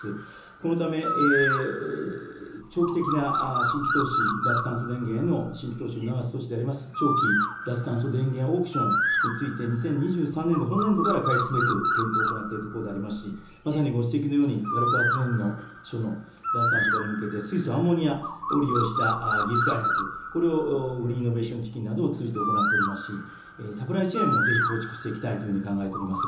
このため長期的な新規投資、脱炭素電源への新規投資を促す措置であります、長期脱炭素電源オークションについて２０２３年度・本年度から開始すべく検討を行っているところでありますし、まさにご指摘のように火力発電所の脱炭素化に向けて水素、アンモニアを利用した技術開発、これをグリーンイノベーション基金などを通じて行っておりますし、サプライチェーンもぜひ構築していきたいと考えております。